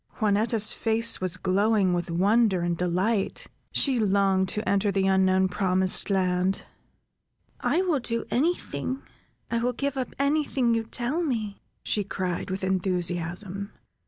Juanetta's face was glowing with wonder and delight; she longed to enter the unknown promised land: "I will do any thing, I will give up any thing you tell me, she cried, with enthusiasm."